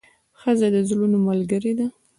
ښځه د زړونو ملګرې ده.